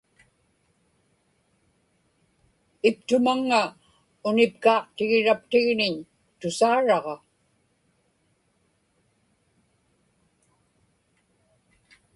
iptumaŋŋa unipkaaqtigiraptigniñ tusaaraġa